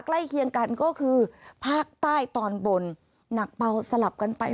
ใกล้เคียงกันก็คือภาคใต้ตอนบนหนักเบาสลับกันไป